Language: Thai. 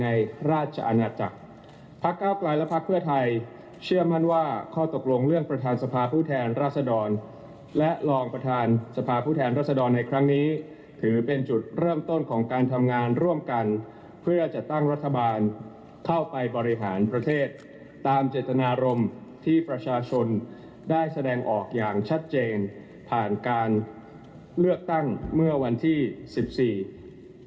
ราชอาณาจักรพักเก้าไกลและพักเพื่อไทยเชื่อมั่นว่าข้อตกลงเรื่องประธานสภาผู้แทนราษดรและรองประธานสภาผู้แทนรัศดรในครั้งนี้ถือเป็นจุดเริ่มต้นของการทำงานร่วมกันเพื่อจัดตั้งรัฐบาลเข้าไปบริหารประเทศตามเจตนารมณ์ที่ประชาชนได้แสดงออกอย่างชัดเจนผ่านการเลือกตั้งเมื่อวันที่สิบสี่